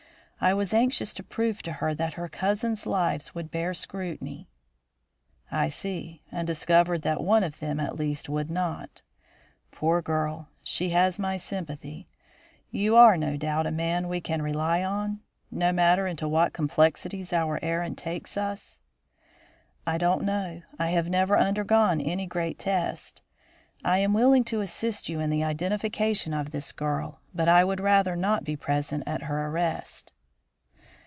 I was anxious to prove to her that her cousins' lives would bear scrutiny." "I see, and discovered that one of them, at least, would not. Poor girl! she has my sympathy. You are without doubt a man we can rely on, no matter into what complexities our errand takes us?" "I don't know; I have never undergone any great test. I am willing to assist you in the identification of this girl; but I would rather not be present at her arrest."